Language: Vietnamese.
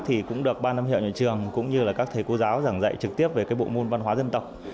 thì cũng được ban giám hiệu nhà trường cũng như là các thầy cô giáo giảng dạy trực tiếp về cái bộ môn văn hóa dân tộc